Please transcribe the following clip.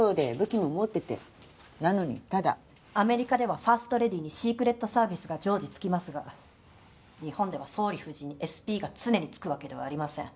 アメリカではファーストレディーにシークレットサービスが常時つきますが日本では総理夫人にＳＰが常につくわけではありません。